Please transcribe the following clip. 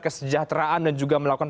kesejahteraan dan juga melakukan